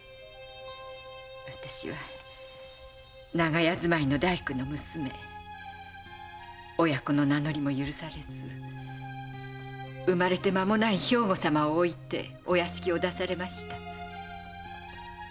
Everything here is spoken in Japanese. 私は長屋住まいの大工の娘親子の名乗りも許されず生まれて間もない兵庫様を置いてお屋敷を出されました。